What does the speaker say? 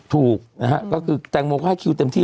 ถูกนะฮะก็คือแตงโมก็ให้คิวเต็มที่